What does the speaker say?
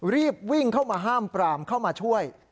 รีบวิ่งเข้ามาห้ามปรามเข้ามาช่วย